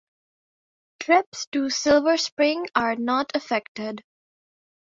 Trips to Silver Spring are not affected.